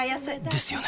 ですよね